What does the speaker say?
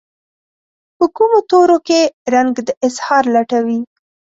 په کومو تورو کې رنګ د اظهار لټوي